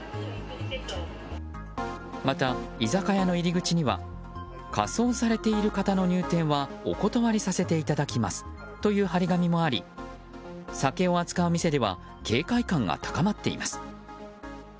また、居酒屋の入り口には仮装されている方の入店はお断りさせていただきますという貼り紙もあり酒を扱う店では警戒感が高まっています。